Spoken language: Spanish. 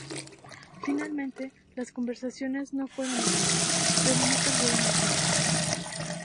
Finalmente las conversaciones no fueron a más, pero no perdieron el contacto.